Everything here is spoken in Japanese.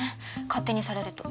勝手にされると。